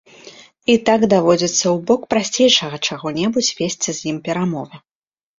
І так даводзіцца ў бок прасцейшага чаго-небудзь весці з ім перамовы.